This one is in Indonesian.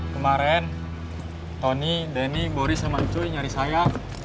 kemarin tony denny boris sama cui nyari saya